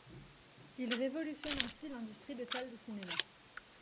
Il révolutionne ainsi l'industrie des salles de cinéma.